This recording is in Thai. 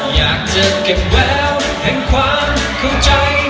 อยากจะเก็บแววแห่งความเข้าใจ